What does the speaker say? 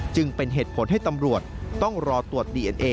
จึงเป็นเหตุผลให้ตำรวจต้องรอตรวจดีเอ็นเอ